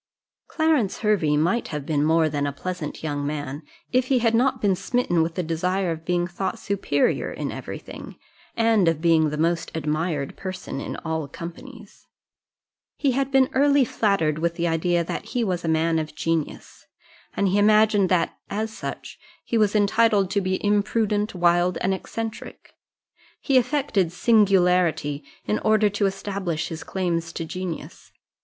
Clarence Hervey might have been more than a pleasant young man, if he had not been smitten with the desire of being thought superior in every thing, and of being the most admired person in all companies. He had been early flattered with the idea that he was a man of genius; and he imagined that, as such, he was entitled to be imprudent, wild, and eccentric. He affected singularity, in order to establish his claims to genius.